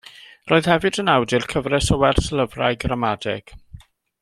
Roedd hefyd yn awdur cyfres o werslyfrau gramadeg.